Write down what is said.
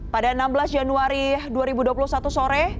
pada enam belas januari dua ribu dua puluh satu sore